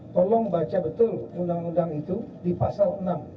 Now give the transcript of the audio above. tolong baca betul undang undang itu di pasal enam